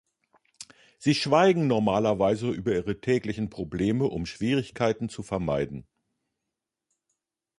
Sie schweigen normalerweise über ihre täglichen Probleme, um Schwierigkeiten zu vermeiden.